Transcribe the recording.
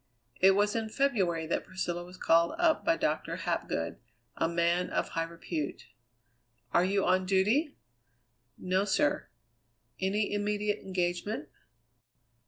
It was in February that Priscilla was called up by Doctor Hapgood, a man of high repute. "Are you on duty?" "No, sir." "Any immediate engagement?"